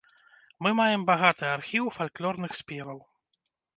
Мы маем багаты архіў фальклорных спеваў.